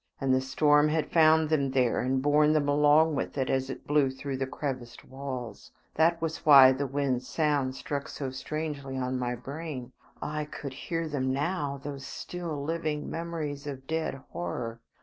And the storm had found them there and borne them along with it as it blew through the creviced walls. That was why the wind's sound struck so strangely on my brain. Ah! I could hear them now, those still living memories of dead horror.